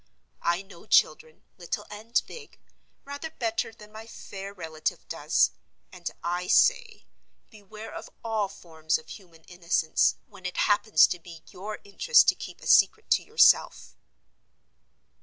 I know children, little and big, rather better than my fair relative does; and I say—beware of all forms of human innocence, when it happens to be your interest to keep a secret to yourself.